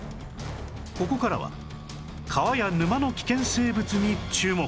ここからは川や沼の危険生物に注目